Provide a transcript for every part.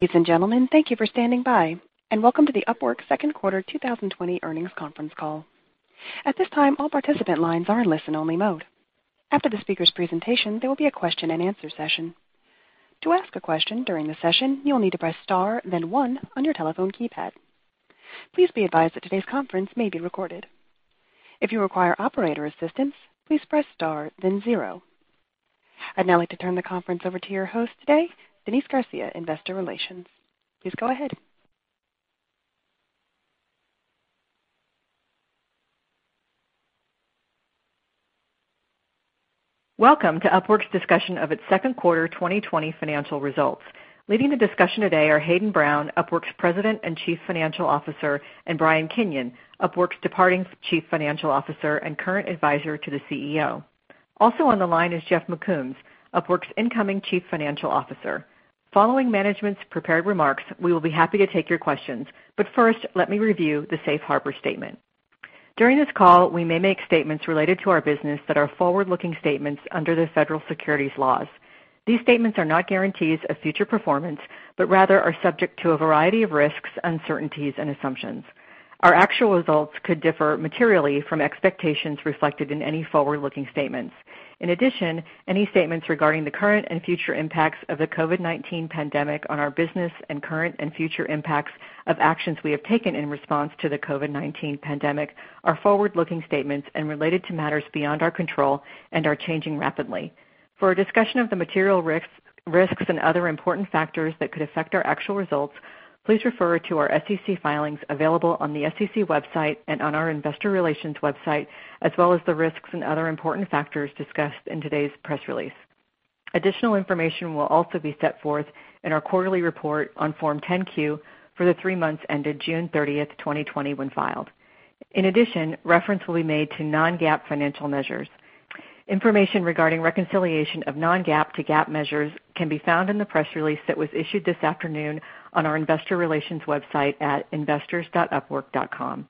Ladies and gentlemen, thank you for standing by and welcome to the Upwork second quarter 2020 earnings conference call. At this time, all participant lines are in listen only mode. After the speaker's presentation, there will be a question and answer session. To ask a question during the session, you will need to press star then one on your telephone keypad. Please be advised that today's conference may be recorded. If you require operator assistance, please press star then zero. I'd now like to turn the conference over to your host today, Denise Garcia, Investor Relations. Please go ahead. Welcome to Upwork's discussion of its second quarter 2020 financial results. Leading the discussion today are Hayden Brown, Upwork's President and Chief Executive Officer, and Brian Kinion, Upwork's departing Chief Financial Officer and current Advisor to the CEO. Also on the line is Jeff McCombs, Upwork's Incoming Chief Financial Officer. Following management's prepared remarks, we will be happy to take your questions. But first, let me review the safe harbor statement. During this call, we may make statements related to our business that are forward-looking statements under federal securities laws. These statements are not guarantees of future performance, but rather are subject to a variety of risks, uncertainties, and assumptions. Our actual results could differ materially from expectations reflected in any forward-looking statements. In addition, any statements regarding the current and future impacts of the COVID-19 pandemic on our business and current and future impacts of actions we have taken in response to the COVID-19 pandemic are forward-looking statements and related to matters beyond our control and are changing rapidly. For a discussion of the material risks, and other important factors that could affect our actual results, please refer to our SEC filings available on the SEC website and on our investor relations website, as well as the risks and other important factors discussed in today's press release. Additional information will also be set forth in our quarterly report on Form 10-Q for the three months ended June 30th, 2020, when filed. In addition, reference will be made to non-GAAP financial measures. Information regarding reconciliation of non-GAAP to GAAP measures can be found in the press release that was issued this afternoon on our investor relations website at investors.upwork.com.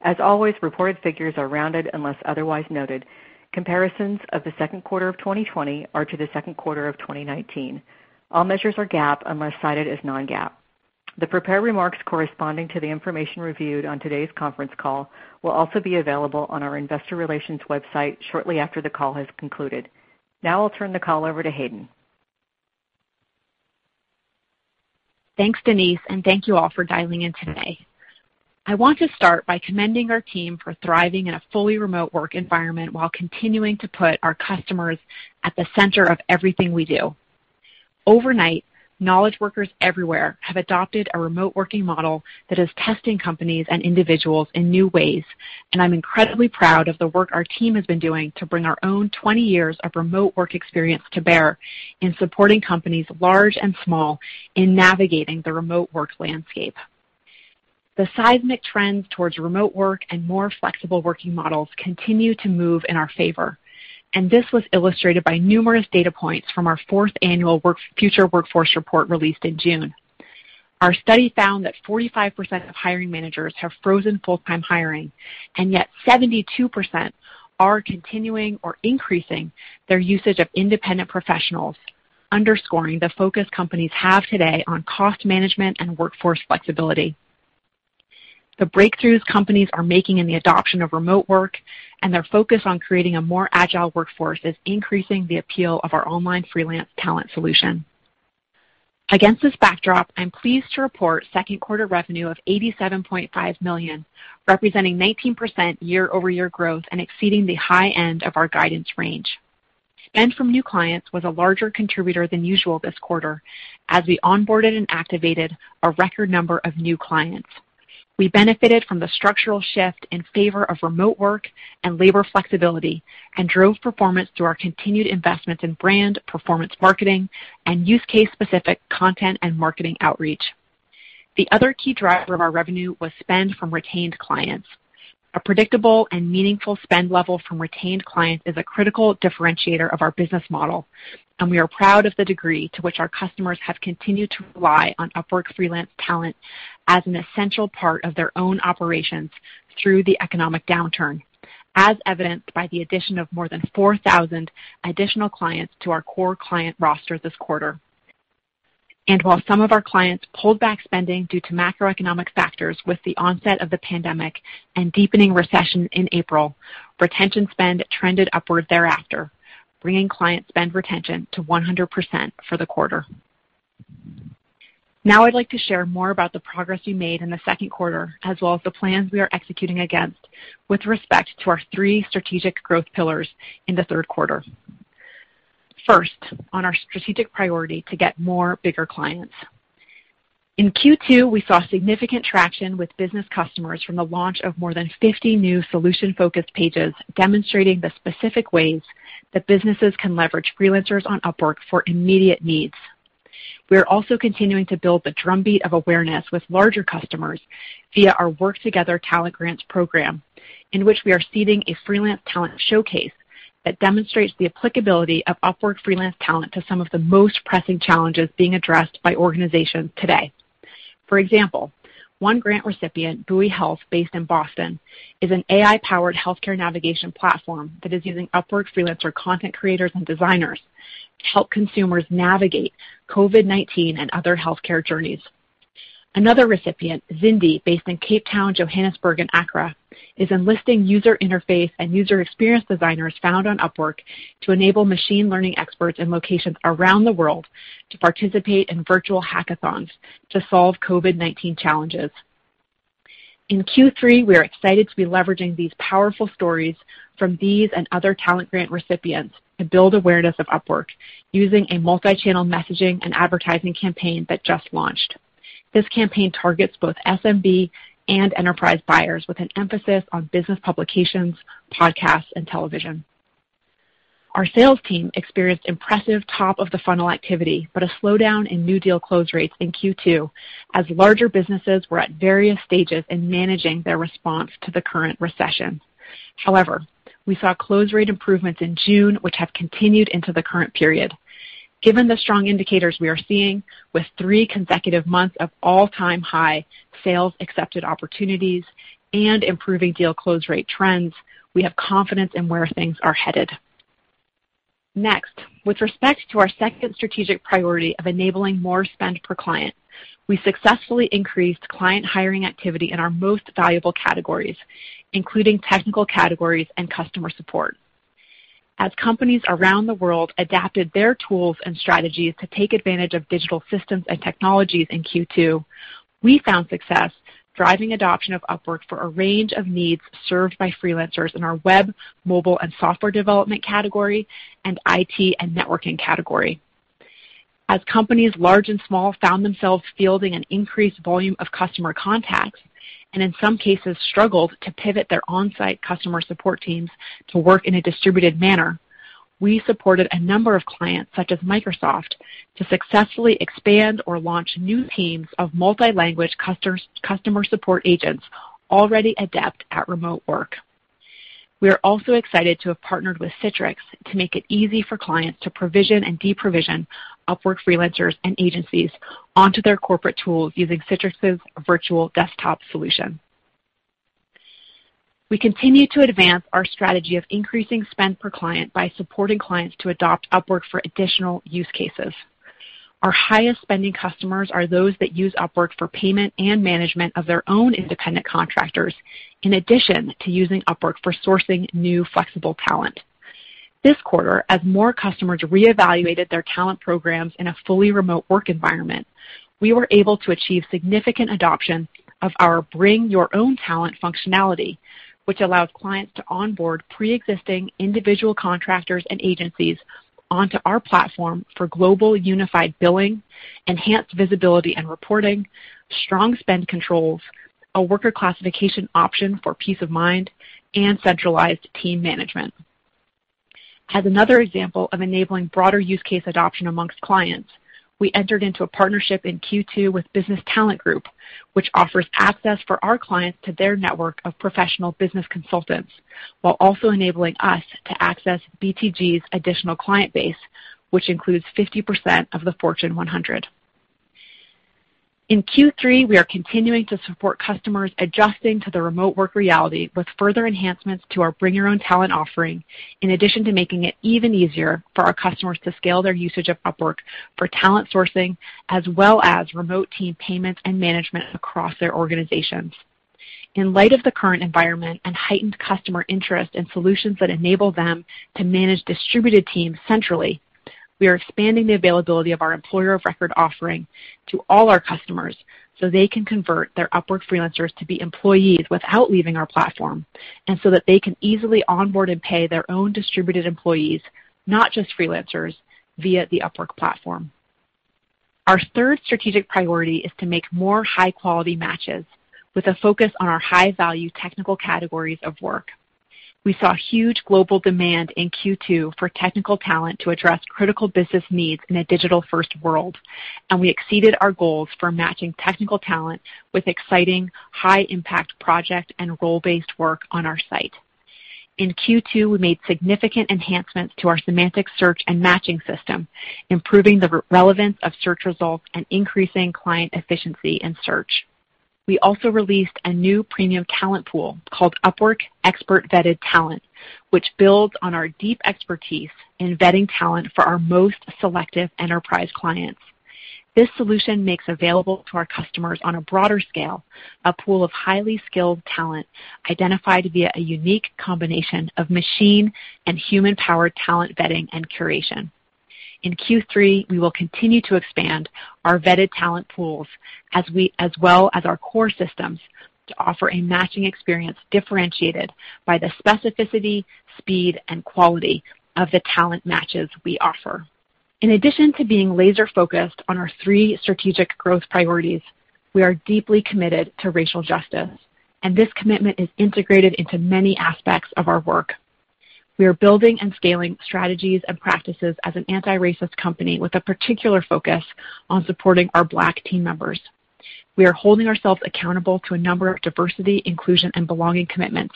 As always, reported figures are rounded unless otherwise noted. Comparisons of the second quarter of 2020 are to the second quarter of 2019. All measures are GAAP unless cited as non-GAAP. The prepared remarks corresponding to the information reviewed on today's conference call will also be available on our investor relations website shortly after the call has concluded. I'll turn the call over to Hayden. Thanks, Denise. Thank you all for dialing in today. I want to start by commending our team for thriving in a fully remote work environment while continuing to put our customers at the center of everything we do. Overnight, knowledge workers everywhere have adopted a remote working model that is testing companies and individuals in new ways. I'm incredibly proud of the work our team has been doing to bring our own 20 years of remote work experience to bear in supporting companies large and small in navigating the remote work landscape. The seismic trends towards remote work and more flexible working models continue to move in our favor. This was illustrated by numerous data points from our fourth annual Future Workforce Report released in June. Our study found that 45% of hiring managers have frozen full-time hiring, and yet 72% are continuing or increasing their usage of independent professionals, underscoring the focus companies have today on cost management and workforce flexibility. The breakthroughs companies are making in the adoption of remote work and their focus on creating a more agile workforce is increasing the appeal of our online freelance talent solution. Against this backdrop, I'm pleased to report second quarter revenue of $87.5 million, representing 19% year-over-year growth and exceeding the high end of our guidance range. Spend from new clients was a larger contributor than usual this quarter as we onboarded and activated a record number of new clients. We benefited from the structural shift in favor of remote work and labor flexibility and drove performance through our continued investments in brand, performance marketing, and use case-specific content and marketing outreach. The other key driver of our revenue was spend from retained clients. A predictable and meaningful spend level from retained clients is a critical differentiator of our business model, and we are proud of the degree to which our customers have continued to rely on Upwork freelance talent as an essential part of their own operations through the economic downturn, as evidenced by the addition of more than 4,000 additional clients to our core client roster this quarter. While some of our clients pulled back spending due to macroeconomic factors with the onset of the pandemic and deepening recession in April, retention spend trended upward thereafter, bringing client spend retention to 100% for the quarter. Now I'd like to share more about the progress we made in the second quarter, as well as the plans we are executing against with respect to our three strategic growth pillars in the third quarter. First, on our strategic priority to get more bigger clients. In Q2, we saw significant traction with business customers from the launch of more than 50 new solution-focused pages demonstrating the specific ways that businesses can leverage freelancers on Upwork for immediate needs. We are also continuing to build the drumbeat of awareness with larger customers via our Work Together Talent Grants program, in which we are seeding a freelance talent showcase that demonstrates the applicability of Upwork freelance talent to some of the most pressing challenges being addressed by organizations today. For example, one grant recipient, Buoy Health, based in Boston, is an AI-powered healthcare navigation platform that is using Upwork freelancer content creators and designers to help consumers navigate COVID-19 and other healthcare journeys. Another recipient, Zindi, based in Cape Town, Johannesburg, and Accra, is enlisting user interface and user experience designers found on Upwork to enable machine learning experts in locations around the world to participate in virtual hackathons to solve COVID-19 challenges. In Q3, we are excited to be leveraging these powerful stories from these and other talent grant recipients to build awareness of Upwork using a multi-channel messaging and advertising campaign that just launched. This campaign targets both SMB and enterprise buyers with an emphasis on business publications, podcasts, and television. Our sales team experienced impressive top-of-the-funnel activity but a slowdown in new deal close rates in Q2 as larger businesses were at various stages in managing their response to the current recession. However, we saw close rate improvements in June, which have continued into the current period. Given the strong indicators we are seeing with three consecutive months of all-time high sales-accepted opportunities and improving deal close rate trends, we have confidence in where things are headed. Next, with respect to our second strategic priority of enabling more spend per client, we successfully increased client hiring activity in our most valuable categories, including technical categories and customer support. As companies around the world adapted their tools and strategies to take advantage of digital systems and technologies in Q2, we found success driving adoption of Upwork for a range of needs served by freelancers in our web, mobile, and software development category and IT and networking category. As companies large and small found themselves fielding an increased volume of customer contacts and in some cases struggled to pivot their on-site customer support teams to work in a distributed manner, we supported a number of clients, such as Microsoft, to successfully expand or launch new teams of multi-language customer support agents already adept at remote work. We are also excited to have partnered with Citrix to make it easy for clients to provision and deprovision Upwork freelancers and agencies onto their corporate tools using Citrix's virtual desktop solution. We continue to advance our strategy of increasing spend per client by supporting clients to adopt Upwork for additional use cases. Our highest spending customers are those that use Upwork for payment and management of their own independent contractors in addition to using Upwork for sourcing new flexible talent. This quarter, as more customers reevaluated their talent programs in a fully remote work environment, we were able to achieve significant adoption of our Bring Your Own Talent functionality, which allows clients to onboard preexisting individual contractors and agencies onto our platform for global unified billing, enhanced visibility and reporting, strong spend controls, a worker classification option for peace of mind, and centralized team management. As another example of enabling broader use case adoption amongst clients, we entered into a partnership in Q2 with Business Talent Group, which offers access for our clients to their network of professional business consultants while also enabling us to access BTG's additional client base, which includes 50% of the Fortune 100. In Q3, we are continuing to support customers adjusting to the remote work reality with further enhancements to our Bring Your Own Talent offering, in addition to making it even easier for our customers to scale their usage of Upwork for talent sourcing as well as remote team payments and management across their organizations. In light of the current environment and heightened customer interest in solutions that enable them to manage distributed teams centrally, we are expanding the availability of our Employer of Record offering to all our customers so they can convert their Upwork freelancers to be employees without leaving our platform and so that they can easily onboard and pay their own distributed employees, not just freelancers, via the Upwork platform. Our third strategic priority is to make more high-quality matches with a focus on our high-value technical categories of work. We saw huge global demand in Q2 for technical talent to address critical business needs in a digital-first world, and we exceeded our goals for matching technical talent with exciting high-impact project and role-based work on our site. In Q2, we made significant enhancements to our semantic search and matching system, improving the relevance of search results and increasing client efficiency in search. We also released a new premium talent pool called Upwork Expert-Vetted Talent, which builds on our deep expertise in vetting talent for our most selective enterprise clients. This solution makes available to our customers on a broader scale a pool of highly skilled talent identified via a unique combination of machine and human-powered talent vetting and curation. In Q3, we will continue to expand our vetted talent pools as well as our core systems to offer a matching experience differentiated by the specificity, speed, and quality of the talent matches we offer. In addition to being laser-focused on our three strategic growth priorities, we are deeply committed to racial justice, and this commitment is integrated into many aspects of our work. We are building and scaling strategies and practices as an anti-racist company with a particular focus on supporting our Black team members. We are holding ourselves accountable to a number of diversity, inclusion, and belonging commitments.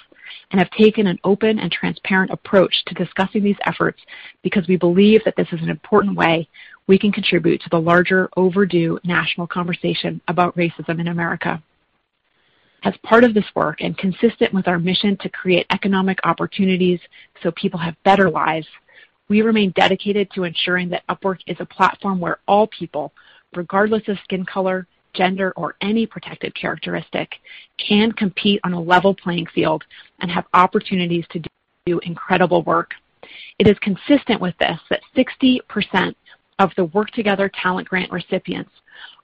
Have taken an open and transparent approach to discussing these efforts because we believe that this is an important way we can contribute to the larger overdue national conversation about racism in America. As part of this work, and consistent with our mission to create economic opportunities so people have better lives, we remain dedicated to ensuring that Upwork is a platform where all people, regardless of skin color, gender, or any protected characteristic, can compete on a level playing field and have opportunities to do incredible work. It is consistent with this that 60% of the Work Together Talent Grants recipients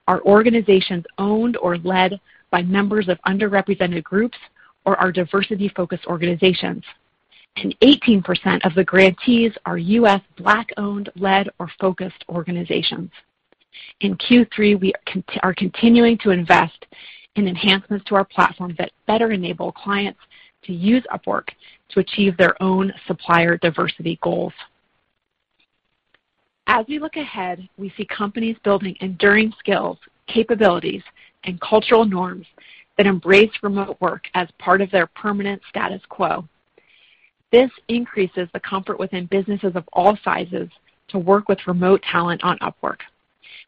are organizations owned or led by members of underrepresented groups or are diversity-focused organizations. 18% of the grantees are U.S. Black-owned, led, or focused organizations. In Q3, we are continuing to invest in enhancements to our platform that better enable clients to use Upwork to achieve their own supplier diversity goals. As we look ahead, we see companies building enduring skills, capabilities, and cultural norms that embrace remote work as part of their permanent status quo. This increases the comfort within businesses of all sizes to work with remote talent on Upwork.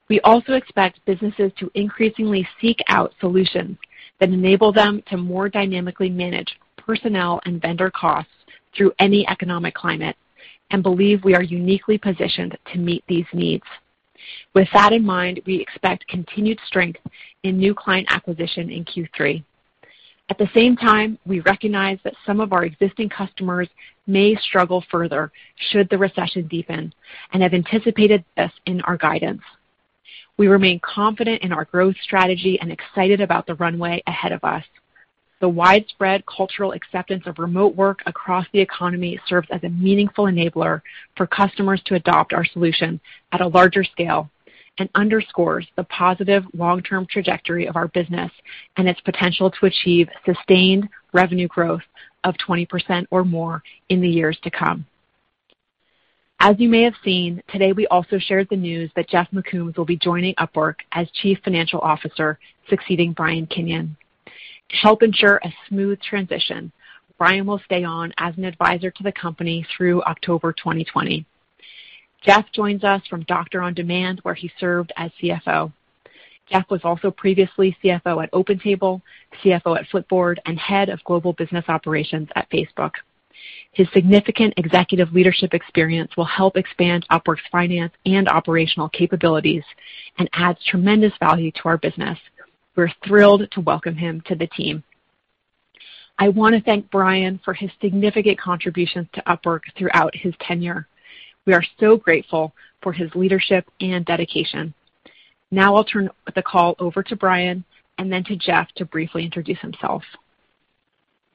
We also expect businesses to increasingly seek out solutions that enable them to more dynamically manage personnel and vendor costs through any economic climate and believe we are uniquely positioned to meet these needs. With that in mind, we expect continued strength in new client acquisition in Q3. At the same time, we recognize that some of our existing customers may struggle further should the recession deepen and have anticipated this in our guidance. We remain confident in our growth strategy and excited about the runway ahead of us. The widespread cultural acceptance of remote work across the economy serves as a meaningful enabler for customers to adopt our solution at a larger scale and underscores the positive long-term trajectory of our business and its potential to achieve sustained revenue growth of 20% or more in the years to come. As you may have seen, today we also shared the news that Jeff McCombs will be joining Upwork as Chief Financial Officer, succeeding Brian Kinion. To help ensure a smooth transition, Brian will stay on as an advisor to the company through October 2020. Jeff joins us from Doctor on Demand, where he served as CFO. Jeff was also previously CFO at OpenTable, CFO at Flipboard, and head of global business operations at Facebook. His significant executive leadership experience will help expand Upwork's finance and operational capabilities and adds tremendous value to our business. We're thrilled to welcome him to the team. I want to thank Brian for his significant contributions to Upwork throughout his tenure. We are so grateful for his leadership and dedication. Now I'll turn the call over to Brian and then to Jeff to briefly introduce himself.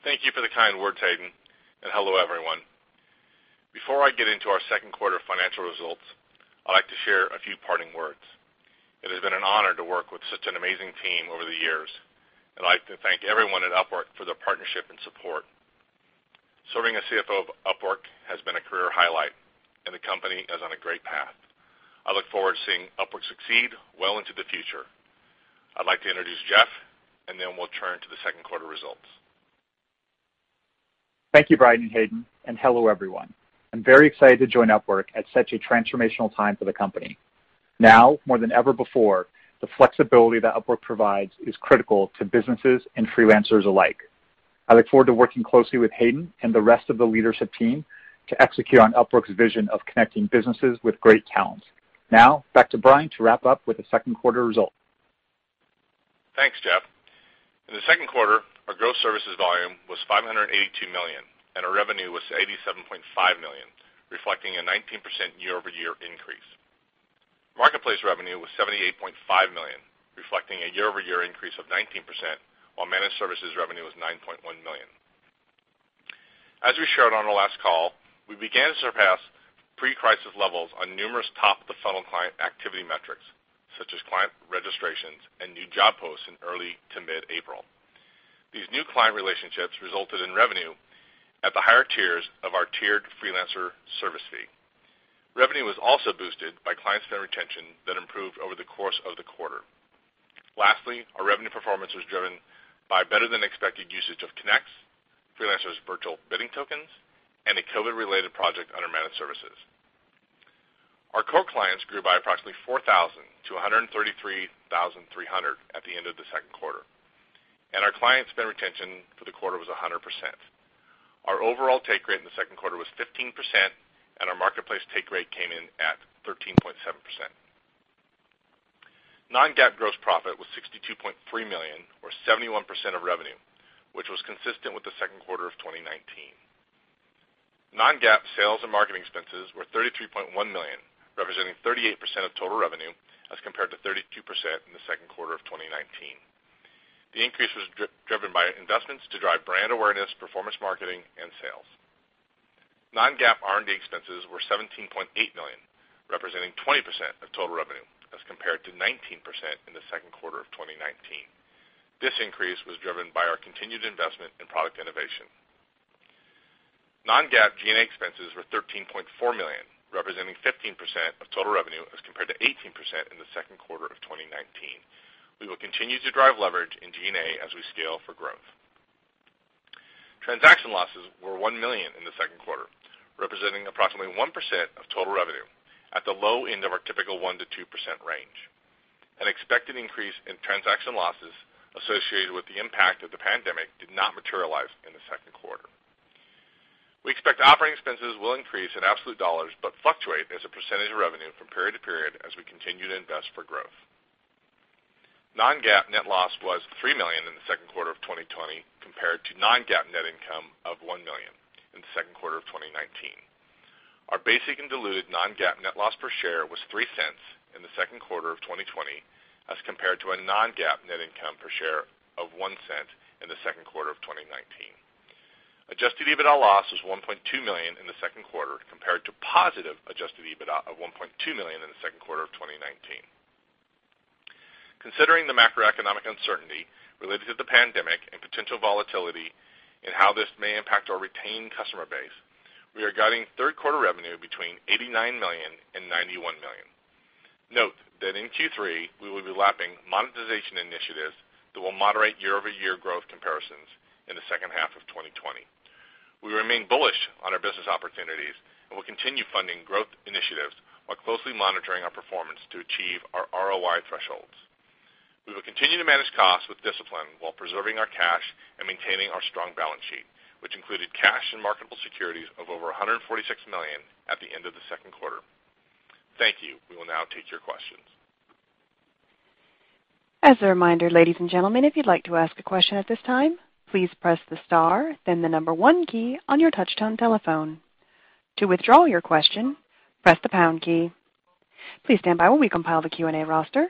Thank you for the kind words, Hayden. Hello, everyone. Before I get into our second quarter financial results, I'd like to share a few parting words. It has been an honor to work with such an amazing team over the years. I'd like to thank everyone at Upwork for their partnership and support. Serving as CFO of Upwork has been a career highlight. The company is on a great path. I look forward to seeing Upwork succeed well into the future. I'd like to introduce Jeff. We'll turn to the second quarter results. Thank you, Brian and Hayden, and hello, everyone. I'm very excited to join Upwork at such a transformational time for the company. More than ever before, the flexibility that Upwork provides is critical to businesses and freelancers alike. I look forward to working closely with Hayden and the rest of the leadership team to execute on Upwork's vision of connecting businesses with great talent. Back to Brian to wrap up with the second quarter results. Thanks, Jeff. In the second quarter, our gross services volume was $582 million, and our revenue was $87.5 million, reflecting a 19% year-over-year increase. Marketplace revenue was $78.5 million, reflecting a year-over-year increase of 19%, while managed services revenue was $9.1 million. As we shared on our last call, we began to surpass pre-crisis levels on numerous top-of-the-funnel client activity metrics, such as client registrations and new job posts in early to mid-April. These new client relationships resulted in revenue at the higher tiers of our tiered freelancer service fee. Revenue was also boosted by client spend retention that improved over the course of the quarter. Lastly, our revenue performance was driven by better-than-expected usage of Connects, freelancers' virtual bidding tokens, and a COVID-related project under managed services. Our core clients grew by approximately 4,000 to 133,300 at the end of the second quarter. Our client spend retention for the quarter was 100%. Our overall take rate in the second quarter was 15%, and our marketplace take rate came in at 13.7%. Non-GAAP gross profit was $62.3 million, or 71% of revenue, which was consistent with the second quarter of 2019. Non-GAAP sales and marketing expenses were $33.1 million, representing 38% of total revenue as compared to 32% in the second quarter of 2019. The increase was driven by investments to drive brand awareness, performance marketing, and sales. Non-GAAP R&D expenses were $17.8 million, representing 20% of total revenue as compared to 19% in the second quarter of 2019. This increase was driven by our continued investment in product innovation. Non-GAAP G&A expenses were $13.4 million, representing 15% of total revenue, as compared to 18% in the second quarter of 2019. We will continue to drive leverage in G&A as we scale for growth. Transaction losses were $1 million in the second quarter, representing approximately 1% of total revenue, at the low end of our typical 1%-2% range. An expected increase in transaction losses associated with the impact of the pandemic did not materialize in the second quarter. We expect operating expenses will increase in absolute dollars but fluctuate as a percentage of revenue from period to period as we continue to invest for growth. Non-GAAP net loss was $3 million in the second quarter of 2020, compared to non-GAAP net income of $1 million in the second quarter of 2019. Our basic and diluted non-GAAP net loss per share was $0.03 in the second quarter of 2020, as compared to a non-GAAP net income per share of $0.01 in the second quarter of 2019. Adjusted EBITDA loss was $1.2 million in the second quarter, compared to positive adjusted EBITDA of $1.2 million in the second quarter of 2019. Considering the macroeconomic uncertainty related to the pandemic and potential volatility in how this may impact our retained customer base, we are guiding third-quarter revenue between $89 million and $91 million. Note that in Q3, we will be lapping monetization initiatives that will moderate year-over-year growth comparisons in the second half of 2020. We remain bullish on our business opportunities and will continue funding growth initiatives while closely monitoring our performance to achieve our ROI thresholds. We will continue to manage costs with discipline while preserving our cash and maintaining our strong balance sheet, which included cash and marketable securities of over $146 million at the end of the second quarter. Thank you. We will now take your questions. As a reminder, ladies and gentlemen, if you'd like to ask a question at this time, please press the star, then the number one key on your touch-tone telephone. To withdraw your question, press the pound key. Please stand by while we compile the Q&A roster.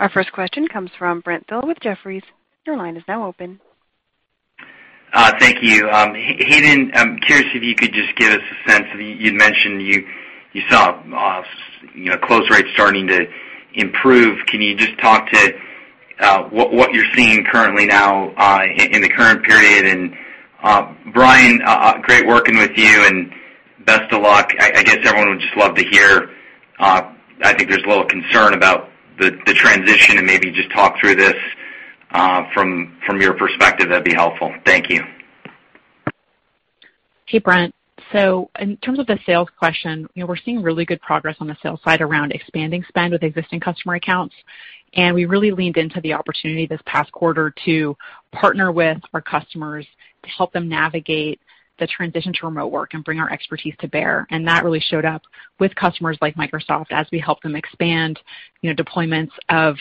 Our first question comes from Brent Thill with Jefferies. Your line is now open. Thank you. Hayden, I'm curious if you could just give us a sense. You'd mentioned you saw close rates starting to improve. Can you just talk to what you're seeing currently now in the current period? And Brian, great working with you and best of luck. I guess everyone would just love to hear I think there's a little concern about the transition, and maybe just talk through this from your perspective. That'd be helpful. Thank you. Hey, Brent. In terms of the sales question, we're seeing really good progress on the sales side around expanding spend with existing customer accounts. We really leaned into the opportunity this past quarter to partner with our customers to help them navigate the transition to remote work and bring our expertise to bear. That really showed up with customers like Microsoft as we helped them expand deployments of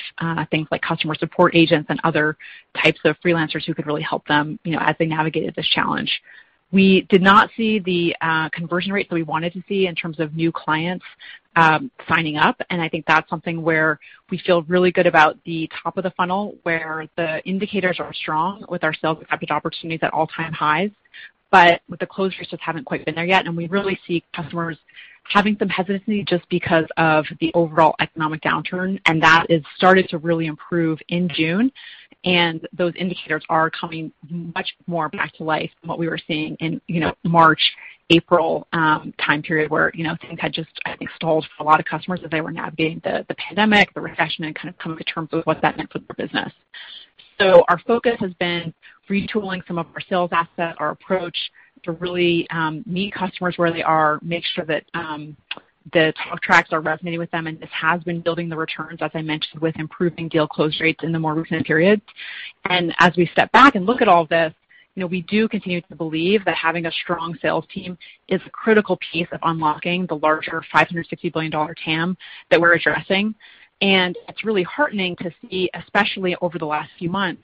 things like customer support agents and other types of freelancers who could really help them as they navigated this challenge. We did not see the conversion rates that we wanted to see in terms of new clients signing up. I think that's something where we feel really good about the top of the funnel, where the indicators are strong with our sales accepted opportunities at all-time highs. With the closures just haven't quite been there yet, and we really see customers having some hesitancy just because of the overall economic downturn, and that has started to really improve in June. Those indicators are coming much more back to life than what we were seeing in March, April time period where things had just, I think, stalled for a lot of customers as they were navigating the pandemic, the recession, and kind of coming to terms with what that meant for their business. Our focus has been retooling some of our sales asset, our approach to really meet customers where they are, make sure that the talk tracks are resonating with them, and this has been building the returns, as I mentioned, with improving deal close rates in the more recent periods. As we step back and look at all this, we do continue to believe that having a strong sales team is a critical piece of unlocking the larger $560 billion TAM that we're addressing. And it's really heartening to see, especially over the last few months,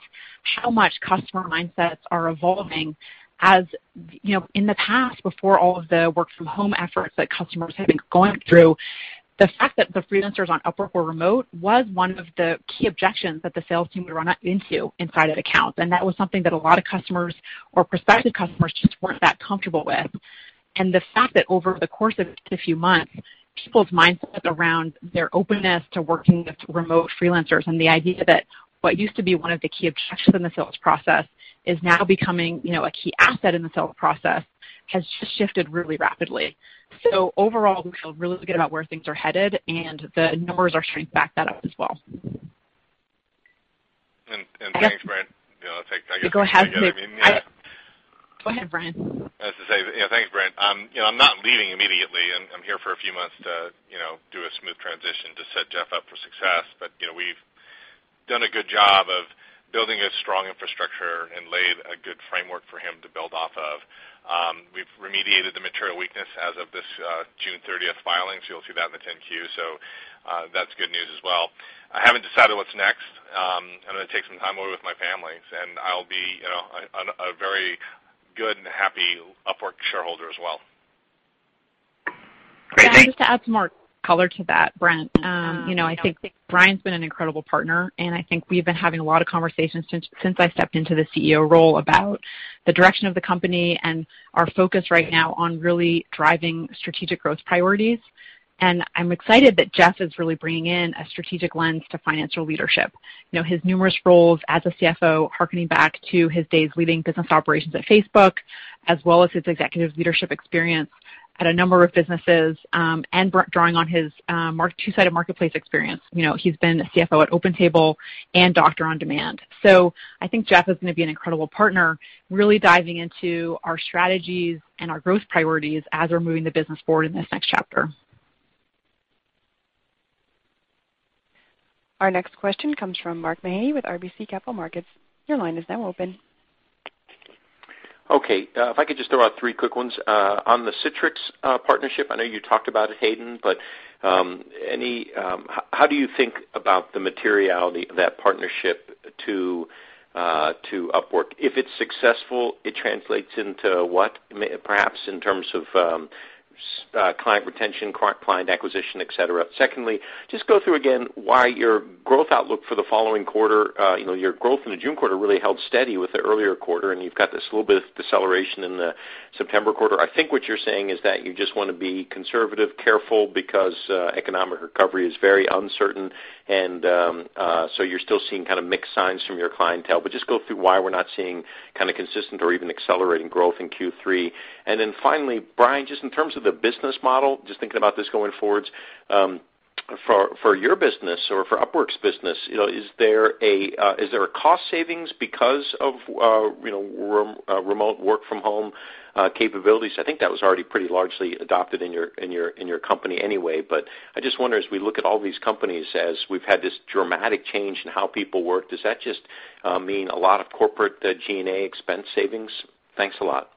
how much customer mindsets are evolving. As in the past, before all of the work from home efforts that customers have been going through, the fact that the freelancers on Upwork were remote was one of the key objections that the sales team would run into inside an account. And that was something that a lot of customers or prospective customers just weren't that comfortable with. The fact that over the course of a few months, people's mindsets around their openness to working with remote freelancers and the idea that what used to be one of the key objections in the sales process is now becoming a key asset in the sales process has just shifted really rapidly. Overall, we feel really good about where things are headed, and the numbers are starting to back that up as well. Thanks, Brent. Go ahead. I guess- Go ahead, Brian. I was going to say, thanks, Brent. I'm not leaving immediately. I'm here for a few months to do a smooth transition to set Jeff up for success. We've done a good job of building a strong infrastructure and laid a good framework for him to build off of. We've remediated the material weakness as of this June 30th filing, you'll see that in the 10-Q. That's good news as well. I haven't decided what's next. I'm going to take some time away with my family, and I'll be a very good and happy Upwork shareholder as well. Great, thanks. Just to add some more color to that, Brent. I think Brian's been an incredible partner, and I think we've been having a lot of conversations since I stepped into the CEO role about the direction of the company and our focus right now on really driving strategic growth priorities. I'm excited that Jeff is really bringing in a strategic lens to financial leadership. His numerous roles as a CFO, hearkening back to his days leading business operations at Facebook, as well as his executive leadership experience at a number of businesses, and drawing on his two-sided marketplace experience. He's been a CFO at OpenTable and Doctor on Demand. I think Jeff is going to be an incredible partner, really diving into our strategies and our growth priorities as we're moving the business forward in this next chapter. Our next question comes from Mark Mahaney with RBC Capital Markets. Your line is now open. If I could just throw out three quick ones. On the Citrix partnership, I know you talked about it, Hayden, how do you think about the materiality of that partnership to Upwork? If it's successful, it translates into what, perhaps in terms of client retention, client acquisition, et cetera? Just go through again why your growth outlook for the following quarter, your growth in the June quarter really held steady with the earlier quarter, you've got this little bit of deceleration in the September quarter. I think what you're saying is that you just want to be conservative, careful, because economic recovery is very uncertain, you're still seeing kind of mixed signs from your clientele. Just go through why we're not seeing consistent or even accelerating growth in Q3. Finally, Brian, just in terms of the business model, just thinking about this going forwards, for your business or for Upwork's business, is there a cost savings because of remote work from home capabilities? I think that was already pretty largely adopted in your company anyway, but I just wonder, as we look at all these companies, as we've had this dramatic change in how people work, does that just mean a lot of corporate G&A expense savings? Thanks a lot.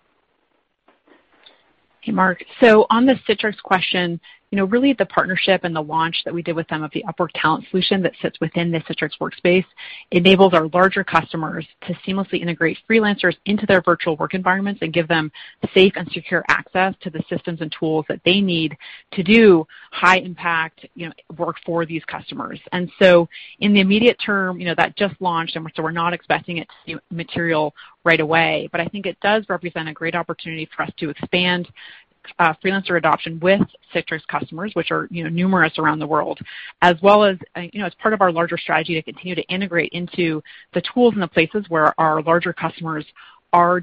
Hey, Mark. On the Citrix question, really the partnership and the launch that we did with them of the Upwork Talent Solution that sits within the Citrix workspace enables our larger customers to seamlessly integrate freelancers into their virtual work environments and give them safe and secure access to the systems and tools that they need to do high-impact work for these customers. In the immediate term, that just launched. We're not expecting it to be material right away, but I think it does represent a great opportunity for us to expand freelancer adoption with Citrix customers, which are numerous around the world, as well as part of our larger strategy to continue to integrate into the tools and the places where our larger customers are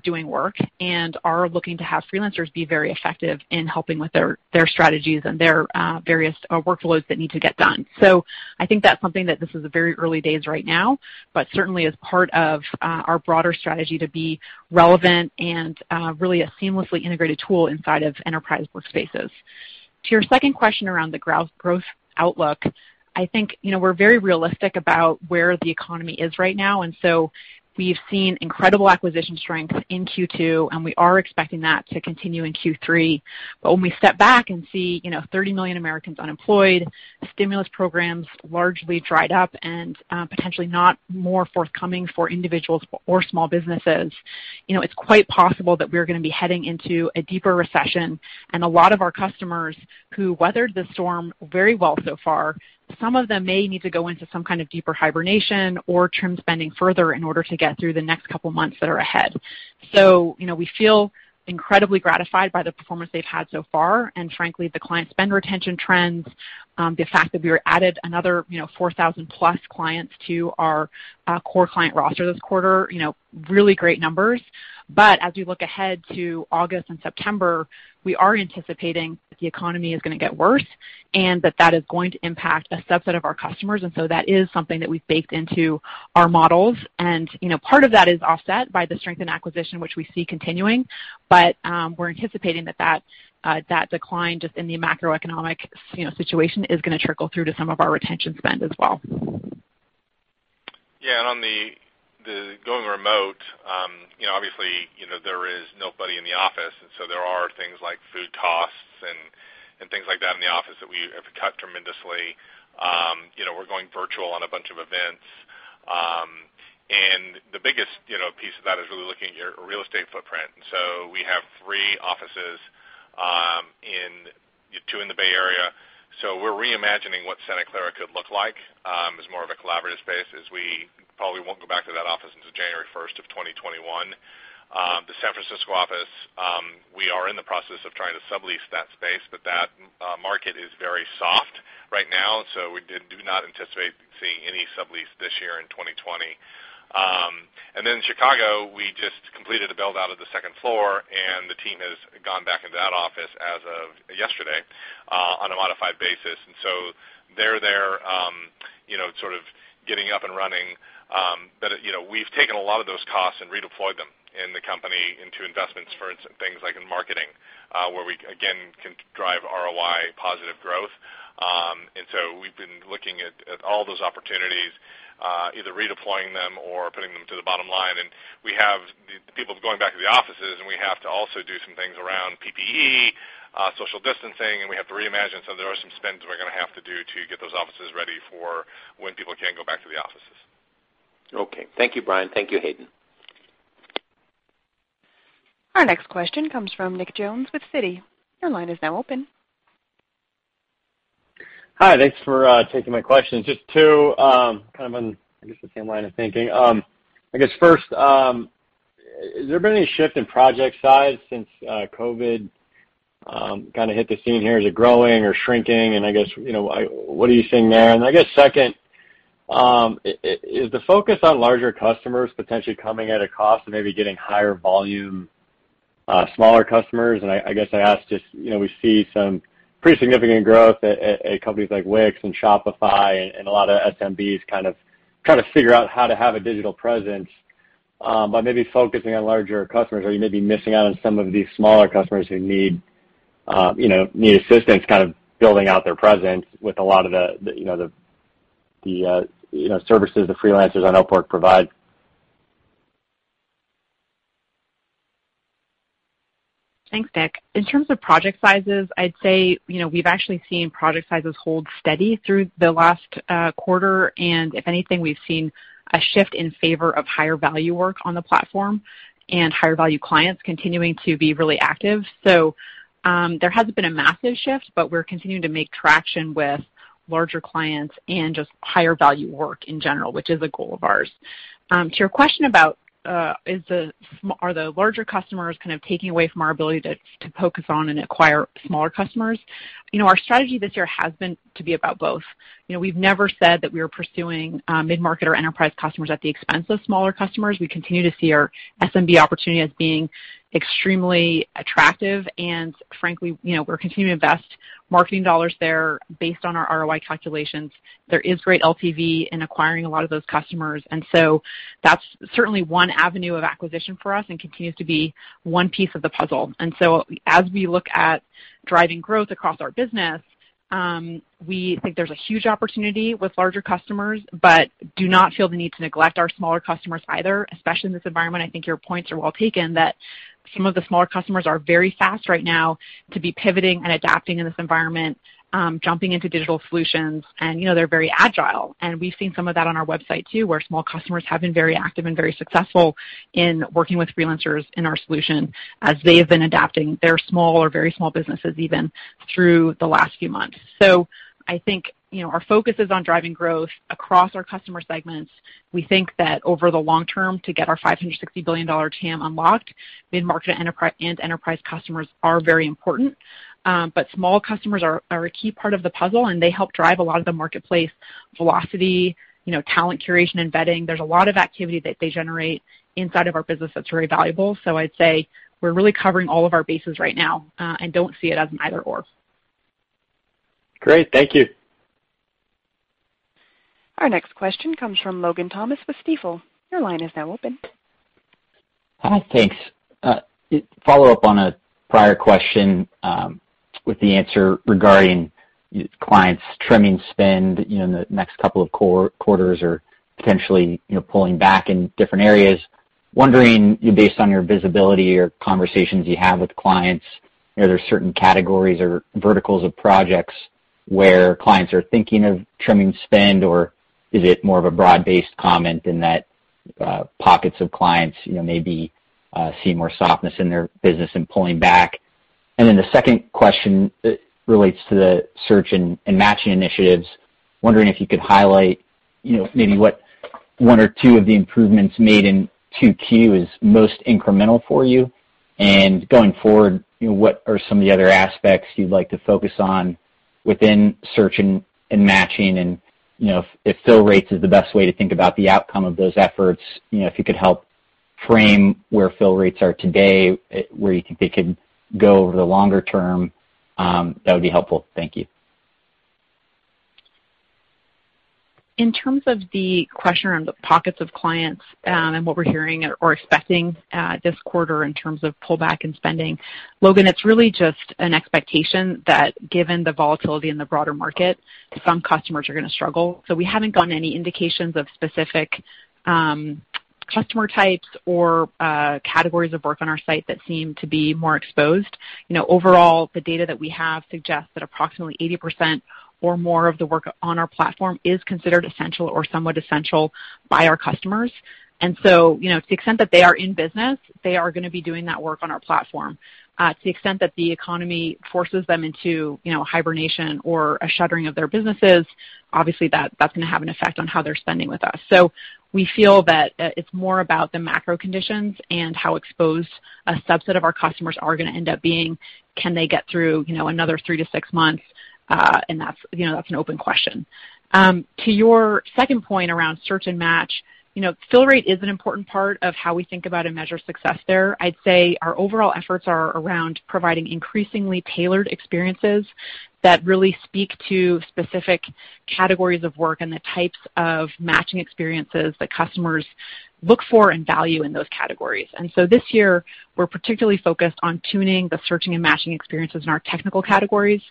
doing work and are looking to have freelancers be very effective in helping with their strategies and their various workloads that need to get done. I think that's something that this is very early days right now, but certainly is part of our broader strategy to be relevant and really a seamlessly integrated tool inside of enterprise workspaces. To your second question around the growth outlook, I think we're very realistic about where the economy is right now, and so we've seen incredible acquisition strength in Q2, and we are expecting that to continue in Q3. When we step back and see 30 million Americans unemployed, stimulus programs largely dried up and potentially not more forthcoming for individuals or small businesses, it's quite possible that we are going to be heading into a deeper recession. A lot of our customers who weathered the storm very well so far, some of them may need to go into some kind of deeper hibernation or trim spending further in order to get through the next couple of months that are ahead. We feel incredibly gratified by the performance they've had so far, and frankly, the client spend retention trends, the fact that we added another 4,000+ clients to our core client roster this quarter, really great numbers. As we look ahead to August and September, we are anticipating that the economy is going to get worse and that that is going to impact a subset of our customers. That is something that we've baked into our models. Part of that is offset by the strength in acquisition which we see continuing, but we're anticipating that that decline just in the macroeconomic situation is going to trickle through to some of our retention spend as well. Yeah. On the going remote, obviously, there is nobody in the office, and so there are things like food costs and things like that in the office that we have cut tremendously. We're going virtual on a bunch of events. The biggest piece of that is really looking at your real estate footprint. We have three offices, two in the Bay Area. We're reimagining what Santa Clara could look like as more of a collaborative space, as we probably won't go back to that office until January 1st of 2021. The San Francisco office, we are in the process of trying to sublease that space, but that market is very soft right now, so we do not anticipate seeing any sublease this year in 2020. Then Chicago, we just completed a build-out of the second floor, and the team has gone back into that office as of yesterday on a modified basis. So they're there sort of getting up and running. We've taken a lot of those costs and redeployed them in the company into investments for things like in marketing, where we again can drive ROI positive growth. We've been looking at all those opportunities, either redeploying them or putting them to the bottom line. We have people going back to the offices, and we have to also do some things around PPE, social distancing, and we have to reimagine. There are some spends we're going to have to do to get those offices ready for when people can go back to the offices. Okay. Thank you, Brian. Thank you, Hayden. Our next question comes from Nick Jones with Citi. Your line is now open. Hi. Thanks for taking my questions. Just two, kind of on, I guess, the same line of thinking. I guess first, has there been any shift in project size since COVID kind of hit the scene here? Is it growing or shrinking? I guess, what are you seeing there? I guess second, is the focus on larger customers potentially coming at a cost of maybe getting higher volume smaller customers? I guess I ask just, we see some pretty significant growth at companies like Wix and Shopify and a lot of SMBs kind of trying to figure out how to have a digital presence. By maybe focusing on larger customers, are you maybe missing out on some of these smaller customers who need assistance building out their presence with a lot of the services the freelancers on Upwork provide? Thanks, Nick. In terms of project sizes, I'd say we've actually seen project sizes hold steady through the last quarter. If anything, we've seen a shift in favor of higher value work on the platform and higher value clients continuing to be really active. There hasn't been a massive shift, but we're continuing to make traction with larger clients and just higher value work in general, which is a goal of ours. To your question about are the larger customers kind of taking away from our ability to focus on and acquire smaller customers, our strategy this year has been to be about both. We've never said that we are pursuing mid-market or enterprise customers at the expense of smaller customers. We continue to see our SMB opportunity as being extremely attractive. Frankly, we're continuing to invest marketing dollars there based on our ROI calculations. There is great LTV in acquiring a lot of those customers, that's certainly one avenue of acquisition for us and continues to be one piece of the puzzle. As we look at driving growth across our business, we think there's a huge opportunity with larger customers, but do not feel the need to neglect our smaller customers either, especially in this environment. I think your points are well taken that some of the smaller customers are very fast right now to be pivoting and adapting in this environment, jumping into digital solutions, and they're very agile. We've seen some of that on our website too, where small customers have been very active and very successful in working with freelancers in our solution as they have been adapting their small or very small businesses even through the last few months. I think our focus is on driving growth across our customer segments. We think that over the long term, to get our $560 billion TAM unlocked, mid-market and enterprise customers are very important. Small customers are a key part of the puzzle, and they help drive a lot of the marketplace velocity, talent curation, and vetting. There's a lot of activity that they generate inside of our business that's very valuable. I'd say we're really covering all of our bases right now, and don't see it as an either/or. Great. Thank you. Our next question comes from Logan Thomas with Stifel. Your line is now open. Hi. Thanks. Follow up on a prior question with the answer regarding clients trimming spend in the next couple of quarters or potentially pulling back in different areas. Wondering, based on your visibility or conversations you have with clients, are there certain categories or verticals of projects where clients are thinking of trimming spend, or is it more of a broad-based comment in that pockets of clients maybe see more softness in their business and pulling back? The second question relates to the search and matching initiatives. Wondering if you could highlight maybe what one or two of the improvements made in 2Q is most incremental for you. Going forward, what are some of the other aspects you'd like to focus on within search and matching? If fill rates is the best way to think about the outcome of those efforts, if you could help frame where fill rates are today, where you think they could go over the longer term, that would be helpful? Thank you. In terms of the question around the pockets of clients and what we're hearing or expecting this quarter in terms of pullback in spending, Logan, it's really just an expectation that given the volatility in the broader market, some customers are going to struggle. We haven't gotten any indications of specific customer types or categories of work on our site that seem to be more exposed. Overall, the data that we have suggests that approximately 80% or more of the work on our platform is considered essential or somewhat essential by our customers. To the extent that they are in business, they are going to be doing that work on our platform. To the extent that the economy forces them into hibernation or a shuttering of their businesses, obviously that's going to have an effect on how they're spending with us. We feel that it's more about the macro conditions and how exposed a subset of our customers are going to end up being. Can they get through another three to six months? That's an open question. To your second point around search and match, fill rate is an important part of how we think about and measure success there. I'd say our overall efforts are around providing increasingly tailored experiences that really speak to specific categories of work and the types of matching experiences that customers look for and value in those categories. This year, we're particularly focused on tuning the searching and matching experiences in our technical categories.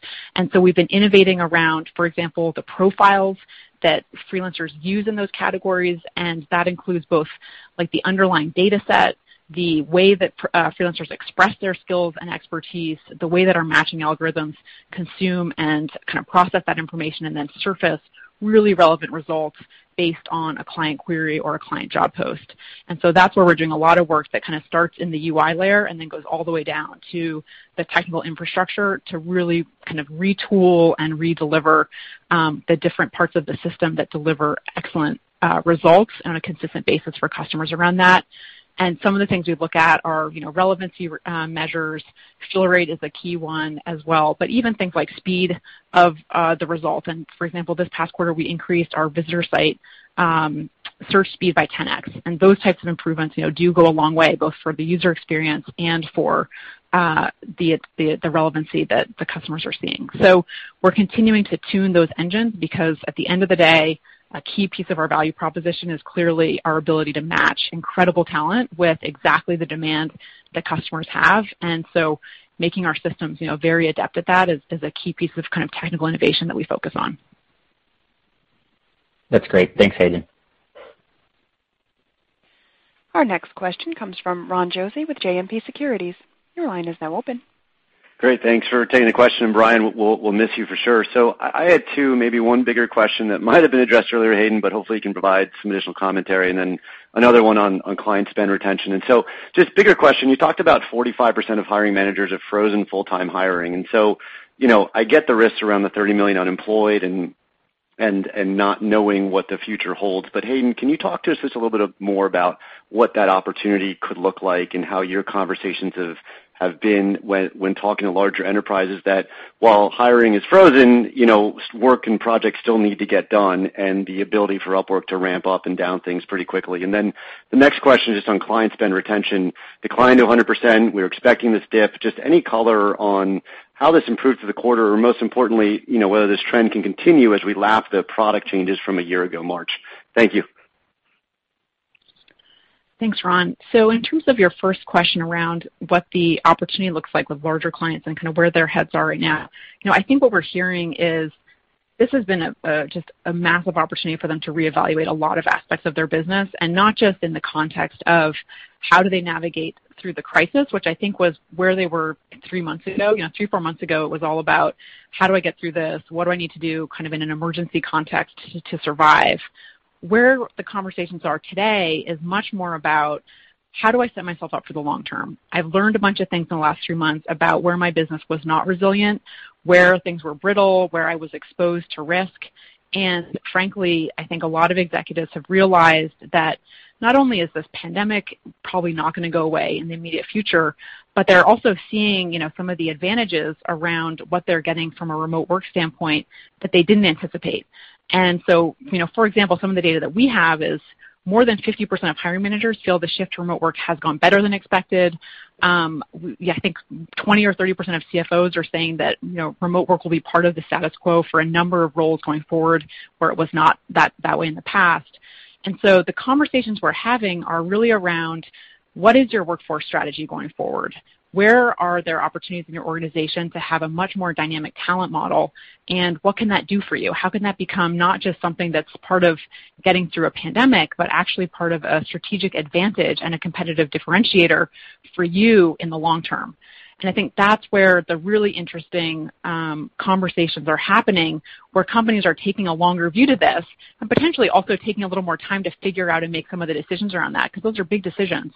We've been innovating around, for example, the profiles that freelancers use in those categories, and that includes both the underlying dataset, the way that freelancers express their skills and expertise, the way that our matching algorithms consume and kind of process that information, and then surface really relevant results based on a client query or a client job post. That's where we're doing a lot of work that kind of starts in the UI layer and then goes all the way down to the technical infrastructure to really kind of retool and redeliver the different parts of the system that deliver excellent results on a consistent basis for customers around that. Some of the things we look at are relevancy measures. Fill rate is a key one as well. Even things like speed of the result, for example, this past quarter, we increased our visitor site search speed by 10x. Those types of improvements do go a long way, both for the user experience and for the relevancy that the customers are seeing. We're continuing to tune those engines because at the end of the day, a key piece of our value proposition is clearly our ability to match incredible talent with exactly the demand that customers have. Making our systems very adept at that is a key piece of technical innovation that we focus on. That's great. Thanks, Hayden. Our next question comes from Ron Josey with JMP Securities. Your line is now open. Great. Thanks for taking the question, Brian, we'll miss you for sure. I had two, maybe one bigger question that might have been addressed earlier, Hayden, but hopefully you can provide some additional commentary, another one on client spend retention. Just bigger question, you talked about 45% of hiring managers have frozen full-time hiring. I get the risks around the 30 million unemployed and not knowing what the future holds. Hayden, can you talk to us just a little bit more about what that opportunity could look like and how your conversations have been when talking to larger enterprises that while hiring is frozen, work and projects still need to get done and the ability for Upwork to ramp up and down things pretty quickly? The next question is just on client spend retention. Declined to 100%. We were expecting this dip. Just any color on how this improved through the quarter or most importantly, whether this trend can continue as we lap the product changes from a year ago March. Thank you. Thanks, Ron. In terms of your first question around what the opportunity looks like with larger clients and kind of where their heads are right now, I think what we're hearing is this has been just a massive opportunity for them to reevaluate a lot of aspects of their business, and not just in the context of how do they navigate through the crisis, which I think was where they were three months ago. Three, four months ago, it was all about how do I get through this? What do I need to do kind of in an emergency context to survive? Where the conversations are today is much more about how do I set myself up for the long term? I've learned a bunch of things in the last three months about where my business was not resilient, where things were brittle, where I was exposed to risk, and frankly, I think a lot of executives have realized that not only is this pandemic probably not going to go away in the immediate future, but they're also seeing some of the advantages around what they're getting from a remote work standpoint that they didn't anticipate. For example, some of the data that we have is more than 50% of hiring managers feel the shift to remote work has gone better than expected. I think 20% or 30% of CFOs are saying that remote work will be part of the status quo for a number of roles going forward, where it was not that way in the past. The conversations we're having are really around what is your workforce strategy going forward? Where are there opportunities in your organization to have a much more dynamic talent model, and what can that do for you? How can that become not just something that's part of getting through a pandemic, but actually part of a strategic advantage and a competitive differentiator for you in the long term? I think that's where the really interesting conversations are happening, where companies are taking a longer view to this and potentially also taking a little more time to figure out and make some of the decisions around that, because those are big decisions.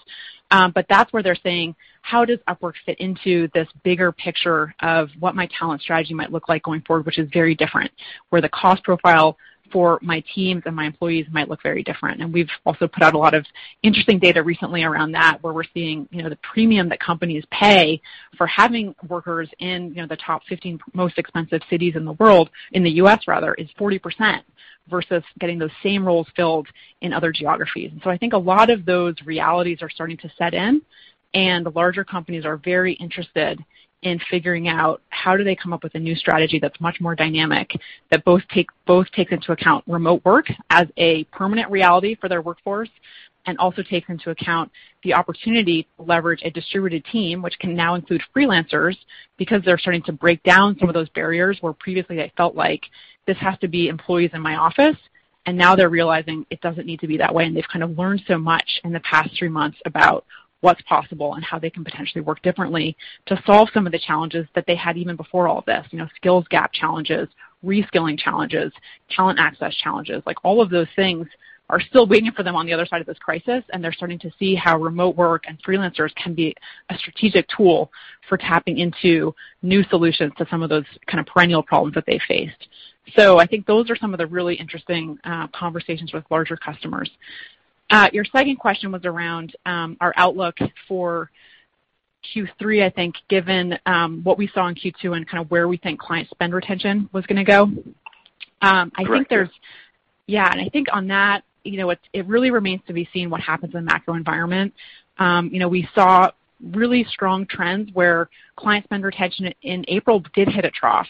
That's where they're saying, how does Upwork fit into this bigger picture of what my talent strategy might look like going forward, which is very different, where the cost profile for my teams and my employees might look very different. We've also put out a lot of interesting data recently around that, where we're seeing the premium that companies pay for having workers in the top 15 most expensive cities in the world, in the U.S. rather, is 40% versus getting those same roles filled in other geographies. I think a lot of those realities are starting to set in, and the larger companies are very interested in figuring out how do they come up with a new strategy that's much more dynamic, that both takes into account remote work as a permanent reality for their workforce, and also takes into account the opportunity to leverage a distributed team, which can now include freelancers because they're starting to break down some of those barriers where previously they felt like this has to be employees in my office. Now they're realizing it doesn't need to be that way. They've kind of learned so much in the past three months about what's possible and how they can potentially work differently to solve some of the challenges that they had even before all of this. Skills gap challenges, reskilling challenges, talent access challenges. All of those things are still waiting for them on the other side of this crisis, and they're starting to see how remote work and freelancers can be a strategic tool for tapping into new solutions to some of those kind of perennial problems that they faced. I think those are some of the really interesting conversations with larger customers. Your second question was around our outlook for Q3, I think, given what we saw in Q2 and kind of where we think client spend retention was going to go. Correct. Yeah, I think on that, it really remains to be seen what happens in the macro environment. We saw really strong trends where client spend retention in April did hit a trough,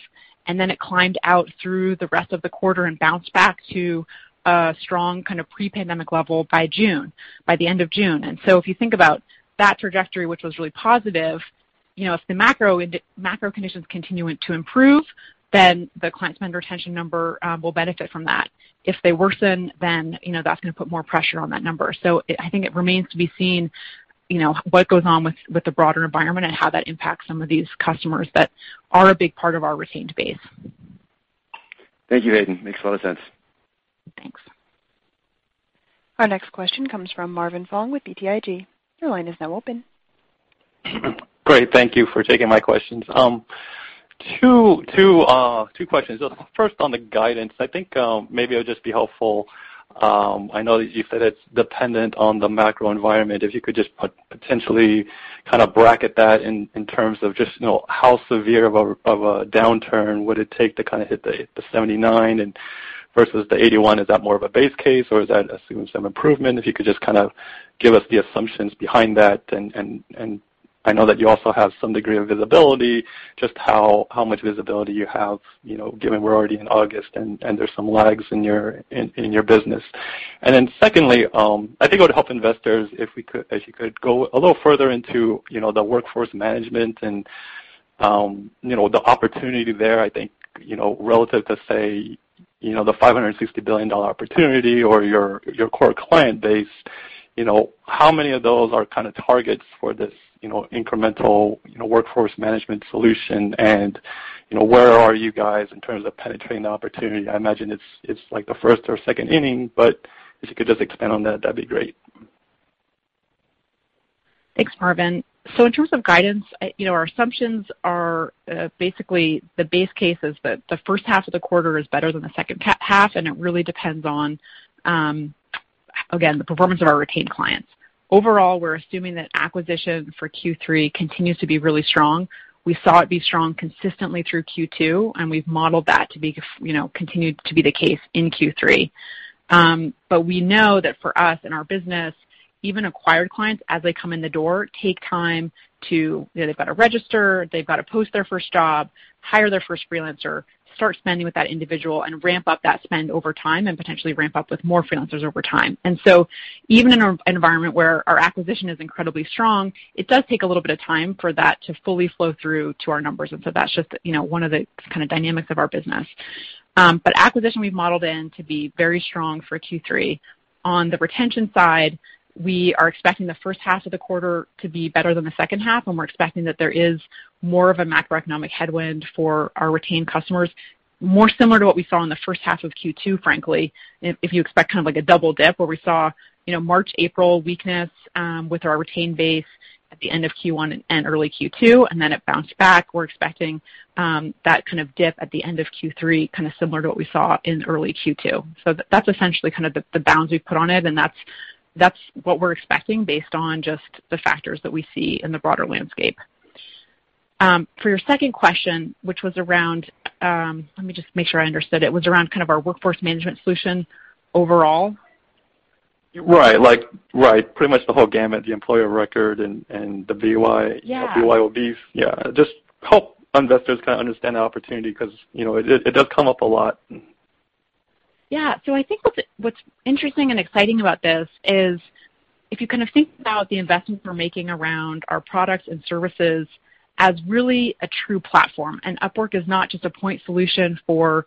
and then it climbed out through the rest of the quarter and bounced back to a strong kind of pre-pandemic level by June, by the end of June. If you think about that trajectory, which was really positive, if the macro conditions continue to improve, then the client spend retention number will benefit from that. If they worsen, then that's going to put more pressure on that number. I think it remains to be seen what goes on with the broader environment and how that impacts some of these customers that are a big part of our retained base. Thank you, Hayden. Makes a lot of sense. Thanks. Our next question comes from Marvin Fong with BTIG. Your line is now open. Great. Thank you for taking my questions. Two questions. First, on the guidance, I think maybe it would just be helpful, I know that you said it's dependent on the macro environment, if you could just potentially kind of bracket that in terms of just how severe of a downturn would it take to kind of hit the 79 versus the 81. Is that more of a base case or is that assuming some improvement? If you could just kind of give us the assumptions behind that. I know that you also have some degree of visibility, just how much visibility you have, given we're already in August and there's some lags in your business. Secondly, I think it would help investors if you could go a little further into the workforce management and the opportunity there, I think, relative to, say, the $560 billion opportunity or your core client base, how many of those are kind of targets for this incremental workforce management solution and where are you guys in terms of penetrating the opportunity? I imagine it's like the first or second inning, if you could just expand on that'd be great. Thanks, Marvin. In terms of guidance, our assumptions are basically the base case is that the first half of the quarter is better than the second half, and it really depends on, again, the performance of our retained clients. Overall, we're assuming that acquisition for Q3 continues to be really strong. We saw it be strong consistently through Q2, and we've modeled that to continue to be the case in Q3. We know that for us in our business, even acquired clients, as they come in the door, take time to, they've got to register, they've got to post their first job, hire their first freelancer, start spending with that individual and ramp up that spend over time, and potentially ramp up with more freelancers over time. Even in an environment where our acquisition is incredibly strong, it does take a little bit of time for that to fully flow through to our numbers. That's just one of the kind of dynamics of our business. Acquisition we've modeled in to be very strong for Q3. On the retention side, we are expecting the first half of the quarter to be better than the second half, and we're expecting that there is more of a macroeconomic headwind for our retained customers, more similar to what we saw in the first half of Q2, frankly, if you expect kind of like a double dip where we saw March, April weakness with our retained base at the end of Q1 and early Q2, and then it bounced back. We're expecting that kind of dip at the end of Q3, kind of similar to what we saw in early Q2. That's essentially kind of the bounds we've put on it, and that's what we're expecting based on just the factors that we see in the broader landscape. For your second question, which was around, let me just make sure I understood it, was around kind of our workforce management solution overall? Right. Pretty much the whole gamut, the Employer of Record and the BYOT. Yeah. Just help investors kind of understand the opportunity, because it does come up a lot. I think what's interesting and exciting about this is if you kind of think about the investments we're making around our products and services as really a true platform, and Upwork is not just a point solution for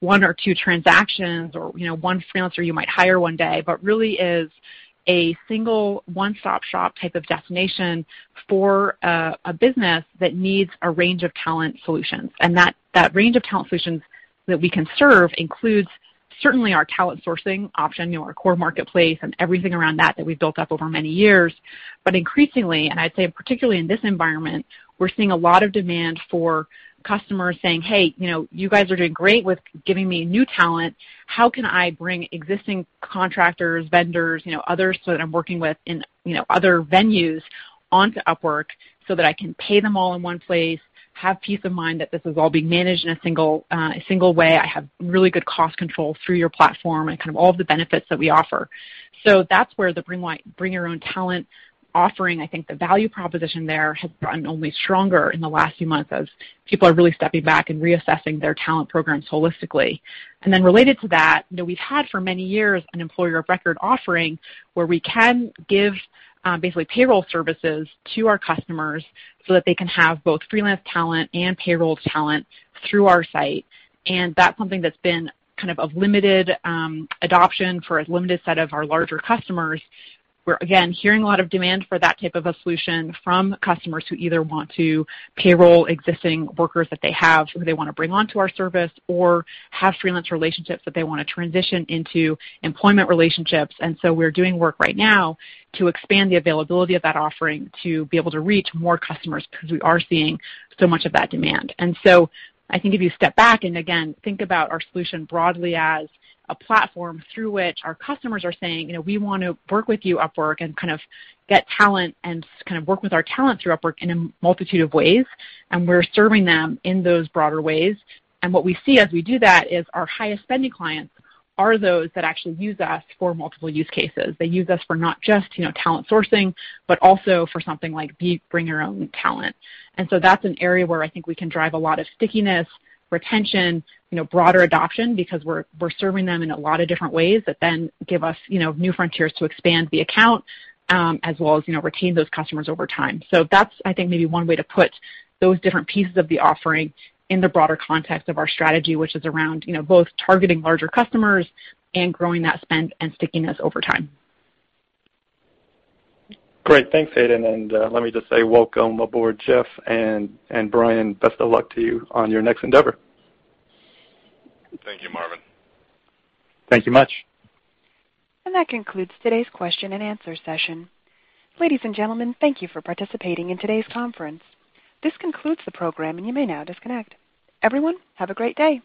one or two transactions or one freelancer you might hire one day, but really is a single one-stop shop type of destination for a business that needs a range of talent solutions. That range of talent solutions that we can serve includes certainly our talent sourcing option, our core marketplace and everything around that that we've built up over many years. Increasingly, and I'd say particularly in this environment, we're seeing a lot of demand for customers saying, Hey, you guys are doing great with giving me new talent. How can I bring existing contractors, vendors, others that I'm working with in other venues onto Upwork so that I can pay them all in one place, have peace of mind that this is all being managed in a single way? I have really good cost control through your platform and kind of all the benefits that we offer. That's where the Bring Your Own Talent offering, I think the value proposition there has gotten only stronger in the last few months as people are really stepping back and reassessing their talent programs holistically. Related to that, we've had for many years an Employer of Record offering where we can give basically payroll services to our customers so that they can have both freelance talent and payroll talent through our site. That's something that's been kind of a limited adoption for a limited set of our larger customers. We're, again, hearing a lot of demand for that type of a solution from customers who either want to payroll existing workers that they have who they want to bring onto our service, or have freelance relationships that they want to transition into employment relationships. We're doing work right now to expand the availability of that offering to be able to reach more customers because we are seeing so much of that demand. I think if you step back and again, think about our solution broadly as a platform through which our customers are saying, We want to work with you, Upwork, and kind of get talent and kind of work with our talent through Upwork in a multitude of ways. We're serving them in those broader ways. What we see as we do that is our highest spending clients are those that actually use us for multiple use cases. They use us for not just talent sourcing, but also for something like Bring Your Own Talent. That's an area where I think we can drive a lot of stickiness, retention, broader adoption, because we're serving them in a lot of different ways that then give us new frontiers to expand the account, as well as retain those customers over time. That's, I think, maybe one way to put those different pieces of the offering in the broader context of our strategy, which is around both targeting larger customers and growing that spend and stickiness over time. Great. Thanks, Hayden, and let me just say welcome aboard, Jeff and Brian. Best of luck to you on your next endeavor. Thank you, Marvin. Thank you much. That concludes today's question and answer session. Ladies and gentlemen, thank you for participating in today's conference. This concludes the program, and you may now disconnect. Everyone, have a great day.